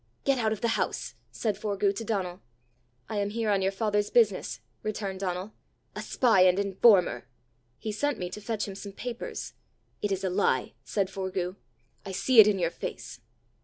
"Get out of the house!" said Forgue to Donal. "I am here on your father's business!" returned Donal. "A spy and informer!" "He sent me to fetch him some papers." "It is a lie!" said Forgue; "I see it in your face!"